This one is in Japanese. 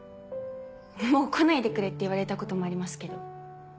「もう来ないでくれ」って言われたこともありますけど。